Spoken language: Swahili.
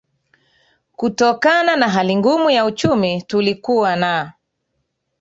kutokana na hali ngumu ya uchumi tulikuwa na